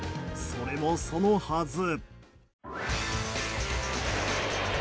それもそのはず。